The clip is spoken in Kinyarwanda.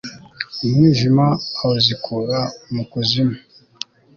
umwijima awuzikura mu kuzimu